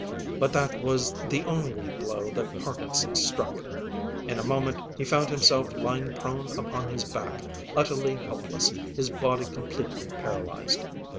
But that was the only blow that Parkinson struck; in a moment he found himself lying prone upon his back, utterly helpless, his body completely paralyzed.